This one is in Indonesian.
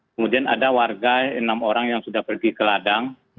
kemudian ada warga enam orang yang sudah pergi ke ladang